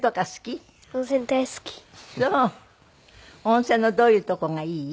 温泉のどういうとこがいい？